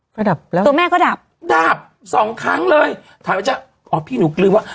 ก็ดับแล้วตัวแม่ก็ดับดาบสองครั้งเลยถามว่าจะอ๋อพี่หนูลืมว่า